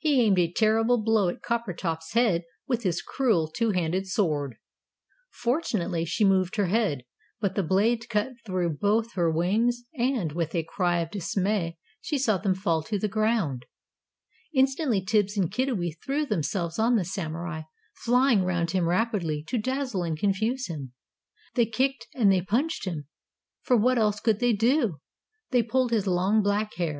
he aimed a terrible blow at Coppertop's head with his cruel two handed sword. Fortunately, she moved her head, but the blade cut through both her wings, and, with a cry of dismay, she saw them fall to the ground. Instantly Tibbs and Kiddiwee threw themselves on the Samurai, flying round him rapidly, to dazzle and confuse him. They kicked and they punched him for what else could they do? They pulled his long, black hair.